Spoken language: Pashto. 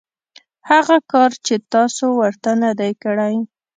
هغه کار چې تاسو ورته نه دی کړی .